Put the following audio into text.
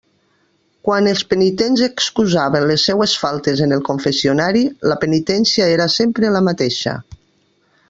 Quan els penitents excusaven les seues faltes en el confessionari, la penitència era sempre la mateixa.